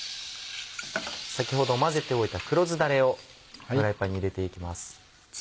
先ほど混ぜておいた黒酢だれをフライパンに入れていきます。